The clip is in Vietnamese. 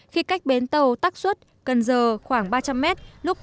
khi cách bến tàu tắc xuất cần giờ khoảng ba trăm linh mét lúc